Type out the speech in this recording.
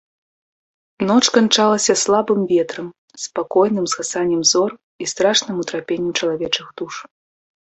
Ноч канчалася слабым ветрам, спакойным згасаннем зор і страшным утрапеннем чалавечых душ.